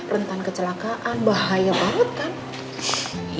rentan kecelakaan bahaya laut kan